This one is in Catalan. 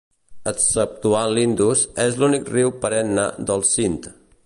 Exceptuat l'Indus, és l'únic riu perenne del Sind.